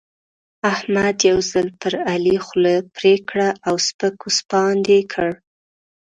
احمد یو ځل پر علي خوله پرې کړه او سپک سپاند يې کړ.